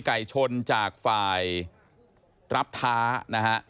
ไก่ชนจากฝ่ายรับท้านะฮะ